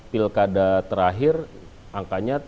pilkada terakhir angkanya